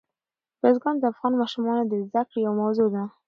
بزګان د افغان ماشومانو د زده کړې یوه موضوع ده.